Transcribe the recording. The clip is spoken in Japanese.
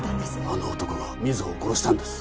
あの男が瑞穂を殺したんです。